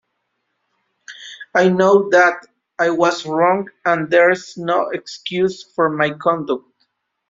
I know that I was wrong and there's no excuse for my conduct.